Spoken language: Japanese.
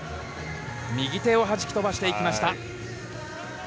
右手を弾き飛ばしていきました。